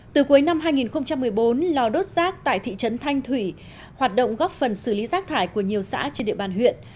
từ cuối năm hai nghìn một mươi bốn lò đốt rác tại thị trấn thanh thủy hoạt động góp phần xử lý rác thải của nhiều xã trên địa bàn huyện